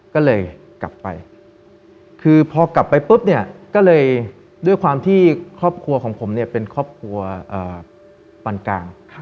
ก็เลยกลับไปคือพอกลับไปปุ๊บเนี่ยก็เลยด้วยความที่ครอบครัวของผมเนี่ยเป็นครอบครัวปันกลาง